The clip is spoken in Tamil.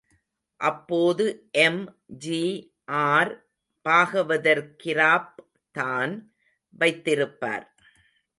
அப்போது எம்.ஜி.ஆர். பாகவதர் கிராப் தான் வைத்திருப்பார்.